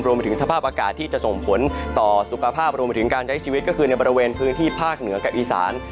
ไปถึงสภาพอากาศที่จะส่งผลต่อสุขภาพรวมไปถึงการใช้ชีวิตก็คือในบริเวณพื้นที่ภาคเหนือกับอีสาน